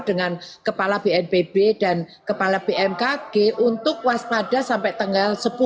dengan kepala bnpb dan kepala bmkg untuk waspada sampai tanggal sepuluh